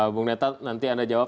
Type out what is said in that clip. bung netta nanti anda jawab